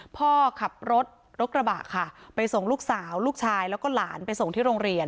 พ่อขับรถรถกระบะค่ะไปส่งลูกสาวลูกชายแล้วก็หลานไปส่งที่โรงเรียน